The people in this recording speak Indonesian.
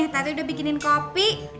tata udah bikinin kopi